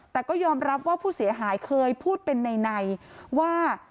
แต่ก็ยอมรับว่าผู้เสียหายเคยพูดเป็นในว่า